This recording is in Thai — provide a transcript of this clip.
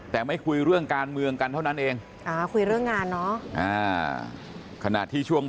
แต่ไม่คุยเรื่องการเมืองกันเท่านั้นเอง